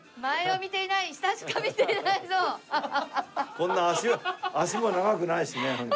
こんな足も長くないしね。